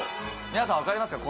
皆さん分かりますか？